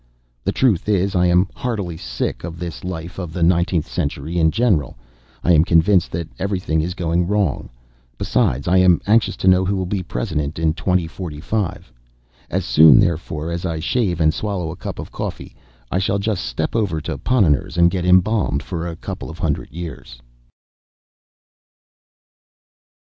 The truth is, I am heartily sick of this life and of the nineteenth century in general. I am convinced that every thing is going wrong. Besides, I am anxious to know who will be President in 2045. As soon, therefore, as I shave and swallow a cup of coffee, I shall just step over to Ponnonner's and get embalmed for a couple of hundred years.